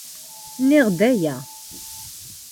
Nniɣ-d aya.